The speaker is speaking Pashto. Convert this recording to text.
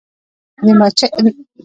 د مچیو ساتنه څومره وده کړې؟